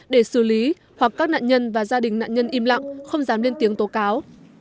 để xử lý hoặc các nạn nhân và gia đình nạn nhân im lặng không dám lên tiếng tố cáo